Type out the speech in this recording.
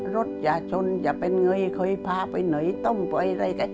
อย่าชนอย่าเป็นไงเคยพาไปไหนต้มไปอะไรก็